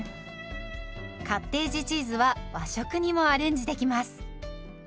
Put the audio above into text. カッテージチーズは和食にもアレンジできます。